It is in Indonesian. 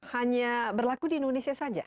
hanya berlaku di indonesia saja